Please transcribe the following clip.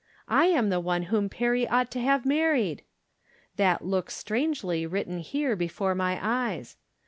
I am the one whom Perry ought to have married ! That looks strangely, written here, before my eyes.